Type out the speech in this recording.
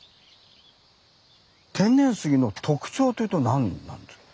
天然杉の特徴というと何なんですか？